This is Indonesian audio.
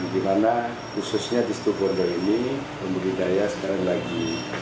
dimana khususnya di situ bondo ini pembudidaya sekarang lagi